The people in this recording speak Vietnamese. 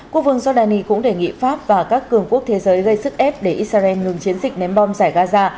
quốc vương giordani cũng đề nghị pháp và các cường quốc thế giới gây sức ép để israel ngừng chiến dịch ném bom giải gaza